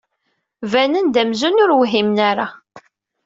Banen-d amzun ur whimen ara.